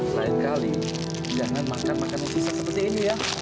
lain kali jangan makan makanan pisang seperti ini ya